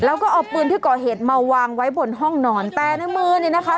แล้วก็เอาปืนที่ก่อเหตุมาวางไว้บนห้องนอนแต่ในมือเนี่ยนะคะ